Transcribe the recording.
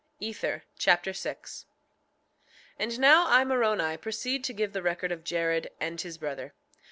Ether Chapter 6 6:1 And now I, Moroni, proceed to give the record of Jared and his brother.